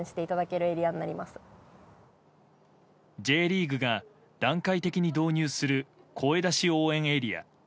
Ｊリーグが段階的に導入する声出し応援エリア。